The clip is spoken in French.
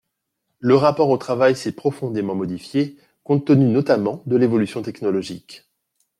Le rapport au travail s’est profondément modifié, compte tenu notamment de l’évolution technologique.